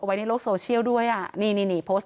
ไว้ในโลกโซเชียลด้วยชื่อโน้ตมอลด